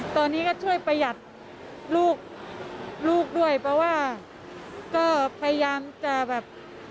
ตอนนี้ก็ช่วยประหยัดลูกลูกด้วยเพราะว่าก็พยายามจะแบบ